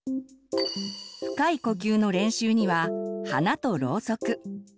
深い呼吸の練習には「花とろうそく」。